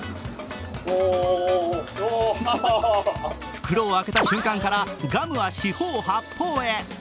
袋を開けた瞬間からガムが四方八方へ。